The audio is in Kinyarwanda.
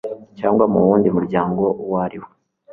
cyangwa mu wundi muryango uwo ari wo